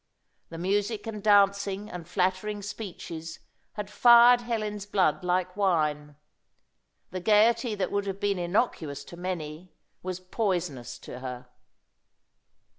The music and dancing and flattering speeches had fired Helen's blood like wine. The gaiety that would have been innocuous to many was poisonous to her.